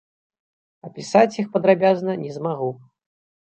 Апісаць іх падрабязна не змагу.